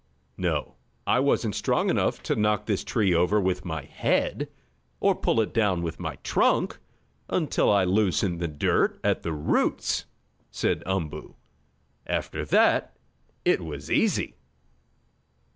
"No, I wasn't strong enough to knock this tree over with my head, or pull it down with my trunk, until I loosened the dirt at the roots," said Umboo. "After that it was easy."